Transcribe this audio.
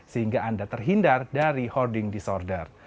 sehingga anda terhindar dari holding disorder